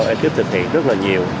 ekip thực hiện rất là nhiều